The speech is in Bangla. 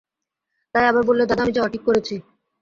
তাই আবার বললে, দাদা, আমি যাওয়া ঠিক করেছি।